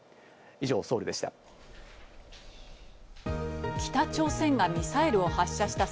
以上、ソウルでした。